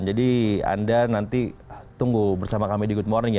jadi anda nanti tunggu bersama kami di good morning ya